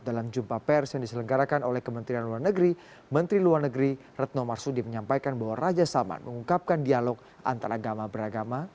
dalam jumpa pers yang diselenggarakan oleh kementerian luar negeri menteri luar negeri retno marsudi menyampaikan bahwa raja salman mengungkapkan dialog antaragama beragama